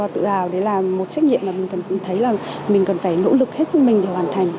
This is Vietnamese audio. tự hào đấy là một trách nhiệm mà mình cũng thấy là mình cần phải nỗ lực hết sức mình để hoàn thành